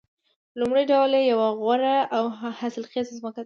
لومړی ډول یې یوه غوره او حاصلخیزه ځمکه ده